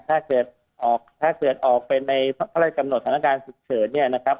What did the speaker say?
ถ้าเกิดออกไปในกำหนดสถานการณ์สุขเฉินเนี่ยนะครับ